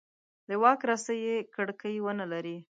د واک رسۍ یې کړکۍ ونه لري.